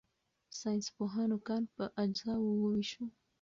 ساینسپوهانو کان په اجزاوو وویشو.